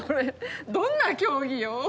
どんな競技よ。